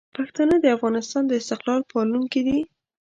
پښتانه د افغانستان د استقلال پالونکي دي.